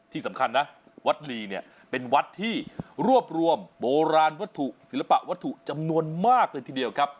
ที่สำคัญนะวัดลีเนี่ยเป็นวัดที่รวบรวมโบราณวัตถุศิลปะวัตถุจำนวนมากเลยทีเดียวครับ